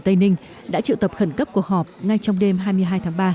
tây ninh đã triệu tập khẩn cấp cuộc họp ngay trong đêm hai mươi hai tháng ba